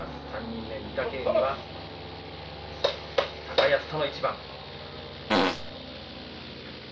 ３人目、御嶽海は高安との一番。